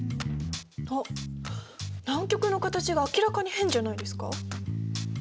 あっ南極の形が明らかに変じゃないですか？